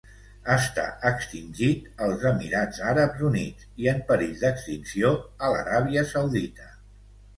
Està extingit als Emirats Àrabs Units i en perill d'extinció a l'Aràbia Saudita.